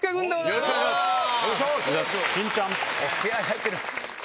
よろしくお願いします。